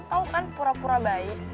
tau kan pura pura baik